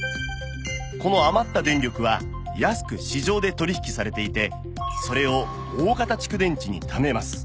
この余った電力は安く市場で取引されていてそれを大型蓄電池にためます